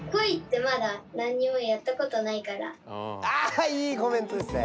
あいいコメントですね！